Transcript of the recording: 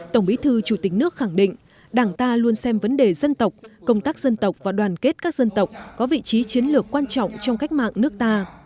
tổng bí thư chủ tịch nước khẳng định đảng ta luôn xem vấn đề dân tộc công tác dân tộc và đoàn kết các dân tộc có vị trí chiến lược quan trọng trong cách mạng nước ta